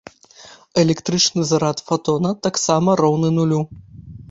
Электрычны зарад фатона таксама роўны нулю.